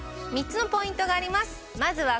３つのポイントがあります